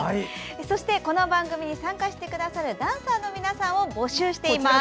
そして、この番組に参加してくださるダンサーの方を募集しています。